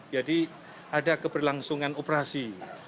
jadi ada keberlangsungan operasi